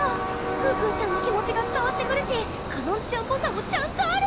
可可ちゃんの気持ちが伝わってくるしかのんちゃんっぽさもちゃんとある！